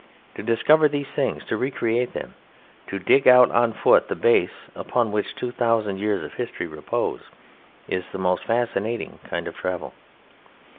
To discover these things, to recreate them, to dig out on foot the base upon which two thousand years of history repose, is the most fascinating kind of travel.